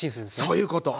そういうこと。